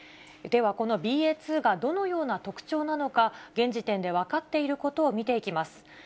では、このＢＡ．２がどのような特徴なのか、現時点で分かっていることを見ていきます。